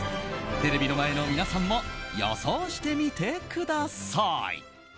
テレビの前の皆さんも予想してみてください。